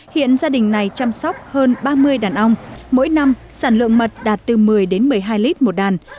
hiện gia đình này chăm sóc hơn ba mươi đàn ong mỗi năm sản lượng mật đạt từ một mươi đến một mươi hai lít một đàn